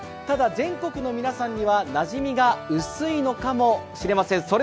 ただ、全国の皆さんにはなじみが薄いのかもしれません。